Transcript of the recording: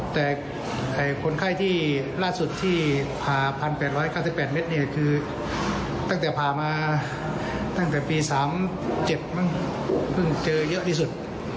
แต่คนไข้ที่ล่าสุดที่ผ่า๑๘๙๘เมตรคือตั้งแต่ผ่ามาตั้งแต่ปี๓๗มั้งเพิ่งเจอเยอะที่สุด